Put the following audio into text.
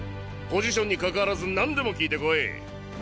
ポジションにかかわらず何でも聞いてこい。